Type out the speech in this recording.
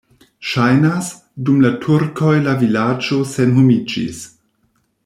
Ŝajnas, dum la turkoj la vilaĝo senhomiĝis.